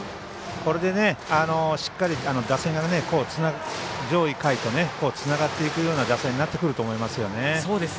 これで、しっかり打線がつながっていくような打線になっていくと思いますよね。